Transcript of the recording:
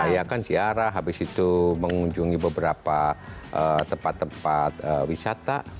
ya kan siarah habis itu mengunjungi beberapa tempat tempat wisata